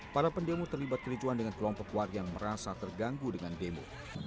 para pendemo terlibat kericuan dengan kelompok warga yang merasa terganggu dengan demo